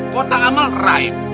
kota amal raib